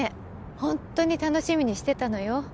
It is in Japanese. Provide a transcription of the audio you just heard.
ホントに楽しみにしてたのよ